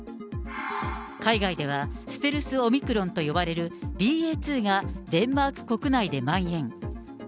海外ではステルス・オミクロンと呼ばれるＢＡ２がデンマーク国内でまん延。